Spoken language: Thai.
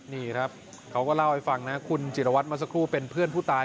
นี่ครับเขาก็เล่าให้ฟังนะคุณจิรวัตรมาสักครู่เป็นเพื่อนผู้ตาย